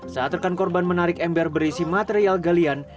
saat rekan korban menarik ember berisi material galian